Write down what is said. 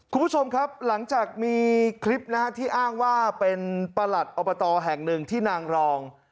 คุณผู้ชมครับหลังจากมีคลิปนะฮะที่อ้างว่าเป็นประหลัดอบตแห่งหนึ่งที่นางรอง